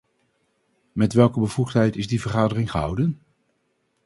Met welke bevoegdheid is die vergadering gehouden?